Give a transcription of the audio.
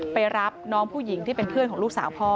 ไปรับน้องผู้หญิงที่เป็นเพื่อนของลูกสาวพ่อ